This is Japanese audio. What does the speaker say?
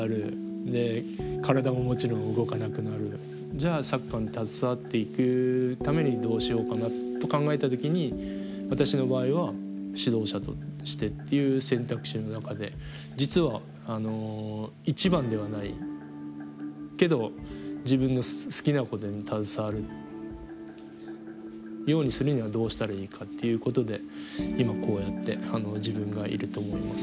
じゃあサッカーに携わっていくためにどうしようかなと考えた時に私の場合は指導者としてっていう選択肢の中で実は一番ではないけど自分の好きなことに携わるようにするにはどうしたらいいかっていうことで今こうやって自分がいると思います。